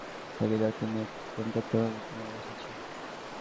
গতকাল রোববার ভোরে দোহাজারী থেকে যাত্রী নিয়ে একটি ট্রেন চট্টগ্রামে এসেছে।